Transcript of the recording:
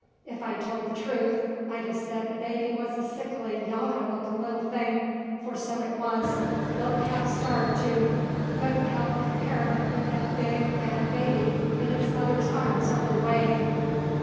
If I'd told the truth, I'd 've said the baby wuz a sickly, yaller lookin' little thing, for so it wuz; looked haff starved, too. Couldn't help comparin' it with that big, fat baby in its mother's arms over the way.